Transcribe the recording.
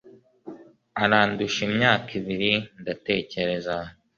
arandusha imyaka ibiri, ndatekereza.